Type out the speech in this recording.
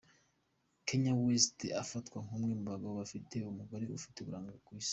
Kanye West afatwa nk’umwe mu bagabo bafite umugore ufite uburanga ku isi.